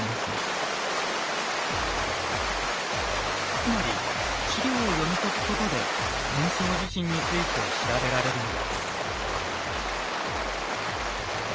つまり史料を読み解くことで天正地震について調べられるのです。